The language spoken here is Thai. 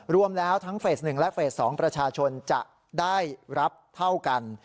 รวมแล้วทั้งเฟส๑และเฟส๒ประชาชนจะได้รับเท่ากัน